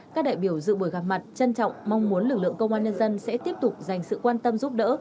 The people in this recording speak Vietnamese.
các đại biểu dự buổi gặp mặt trân trọng mong muốn lực lượng công an nhân dân sẽ tiếp tục dành sự quan tâm giúp đỡ